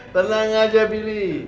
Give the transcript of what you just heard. tenang aja billy